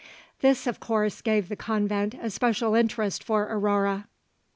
This, of course, gave the convent a special interest for Aurore.